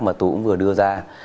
mà tú cũng vừa đưa ra